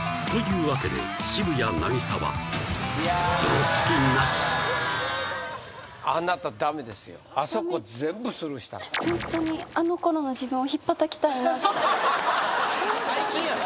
というわけで渋谷凪咲はあなたダメですよあそこ全部スルーした本当にあのころの自分をひっぱたきたいなははははっ